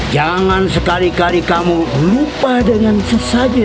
jangan sekali kali kamu lupa dengan sesaji